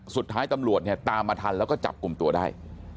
สุดท้ายตำรวจเนี่ยตามมาทันแล้วก็จับกลุ่มตัวได้